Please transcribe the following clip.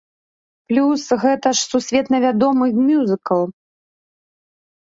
Плюс гэта ж сусветна вядомы мюзікл.